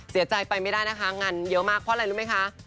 เสียใจไปไม่ได้นะคะงานเยอะมากเพราะอะไรรู้ไหมคะ